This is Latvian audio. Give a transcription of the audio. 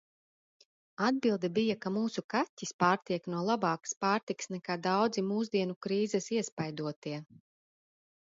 Atbilde bija, ka mūsu kaķis pārtiek no labākas pārtikas, nekā daudzi mūsdienu krīzes iespaidotie.